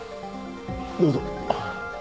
どうぞ。